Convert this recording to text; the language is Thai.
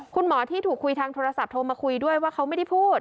คุณหมอที่ถูกคุยทางโทรศัพท์โทรมาคุยด้วยว่าเขาไม่ได้พูด